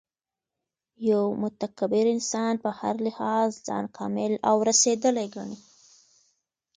یو متکبر انسان په هر لحاظ ځان کامل او رسېدلی ګڼي